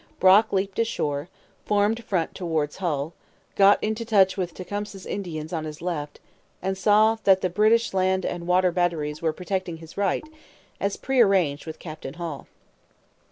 Brock leaped ashore, formed front towards Hull, got into touch with Tecumseh's Indians on his left, and saw that the British land and water batteries were protecting his right, as prearranged with Captain Hall.